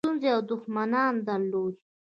ستونزې او دښمنان درلودل.